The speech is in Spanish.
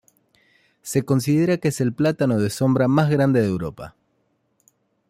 Se considera que es el plátano de sombra más grande de Europa.